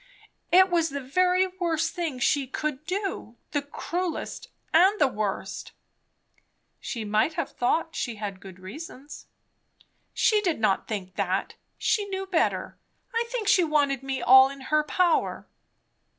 "It was the very worst thing she could do; the cruelest, and the worst." "She might have thought she had good reasons." "She did not think that. She knew better. I think she wanted me all in her power."